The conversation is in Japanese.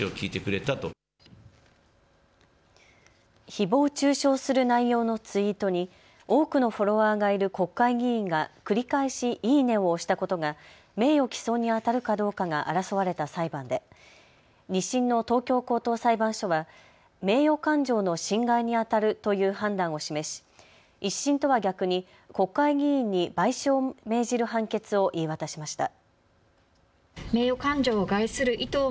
ひぼう中傷する内容のツイートに多くのフォロワーがいる国会議員が繰り返しいいねを押したことが名誉毀損にあたるかどうかが争われた裁判で２審の東京高等裁判所は名誉感情の侵害にあたるという判断を示し１審とは逆に国会議員に賠償を命じる判決を言い渡しました。